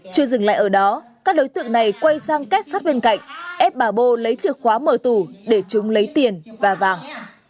chưa dừng lại ở đó các đối tượng này quay sang két sát bên cạnh ép bà bô lấy chìa khóa mở tủ để chúng lấy tiền và vàng